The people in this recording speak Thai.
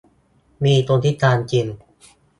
มีคนพิการจริง